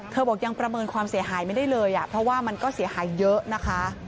บอกยังประเมินความเสียหายไม่ได้เลยเพราะว่ามันก็เสียหายเยอะนะคะ